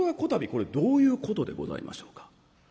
これどういうことでございましょうか。